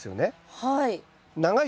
はい。